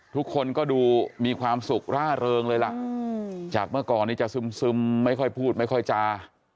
ทุกคนก็ดูมีความสุขร่าเริงเลยล่ะจากเมื่อก่อนนี้จะซึมไม่ค่อยพูดไม่ค่อยจา